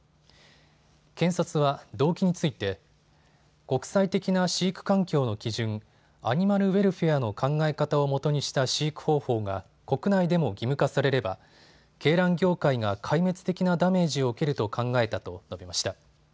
検察は動機について国際的な飼育環境の基準、アニマルウェルフェアの考え方をもとにした飼育方法が国内でも義務化されれば鶏卵業界が壊滅的なダメージを受けると考えたと述べました。